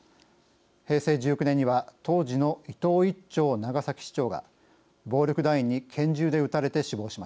平成１９年には当時の伊藤一長長崎市長が暴力団員に拳銃で撃たれて死亡しました。